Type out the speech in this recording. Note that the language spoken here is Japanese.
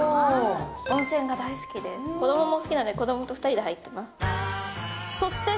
温泉が大好きで、子どもも好きなんで、子どもと２人で入ってます。